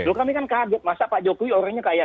loh kami kan kaget masa pak jokowi orangnya kayak